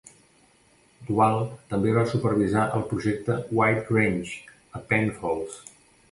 Duval també va supervisar el projecte "White Grange" a Penfolds.